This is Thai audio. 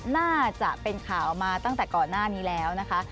น่าจะเป็นข่าวมาตั้งแต่ก่อนหน้านี้แล้วนะคะ